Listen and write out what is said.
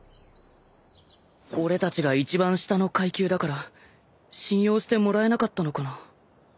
俺たちが一番下の階級だから信用してもらえなかったのかな。